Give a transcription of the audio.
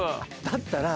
だったら。